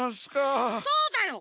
そうだよ